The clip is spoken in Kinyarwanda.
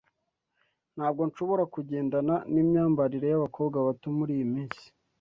Ntabwo nshobora kugendana nimyambarire yabakobwa bato muriyi minsi.